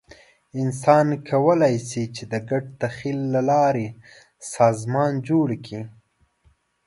انسانان کولی شي، چې د ګډ تخیل له لارې سازمان جوړ کړي.